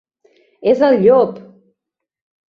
És el llop!